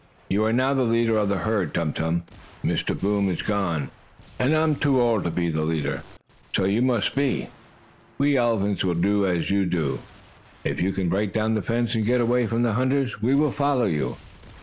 "You are now the leader of the herd, Tum Tum. Mr. Boom is gone, and I am too old to be the leader. So you must be. We elephants will do as you do. If you can break down the fence, and get away from the hunters, we will follow you."